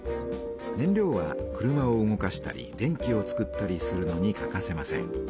燃料は車を動かしたり電気を作ったりするのに欠かせません。